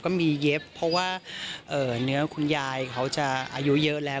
ก็มีเย็บเพราะว่าเนื้อคุณยายเขาจะอายุเยอะแล้ว